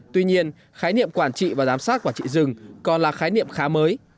tuy nhiên khái niệm quản trị và giám sát quản trị rừng còn là khái niệm khá mới